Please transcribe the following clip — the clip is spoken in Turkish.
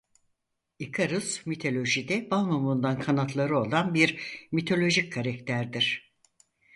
İkarus mitolojide balmumundan kanatları olan bir mitolojik karakterdir.